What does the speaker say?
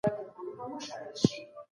څنګه سوله ییز تړونونه جګړې پای ته رسوي؟